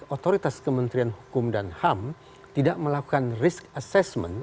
otoritas kementerian hukum dan ham tidak melakukan risk assessment